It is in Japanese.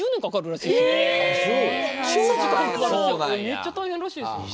めっちゃ大変らしいですよ。